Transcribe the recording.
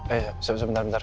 ayo ya bentar bentar bentar